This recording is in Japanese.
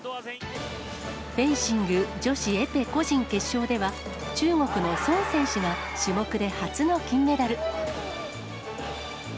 フェンシング女子エペ個人決勝では、中国の孫選手が種目で初の金メダル。